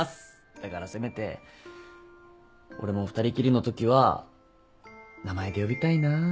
だからせめて俺も２人きりのときは名前で呼びたいなって。